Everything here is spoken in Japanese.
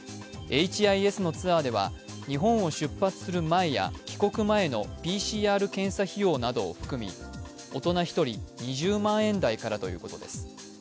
ＨＩＳのツアーでは日本を出発する前や、帰国前のＰＣＲ検査費用などを含み大人１人２０万円台からということです。